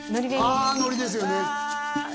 あのりですよねあ！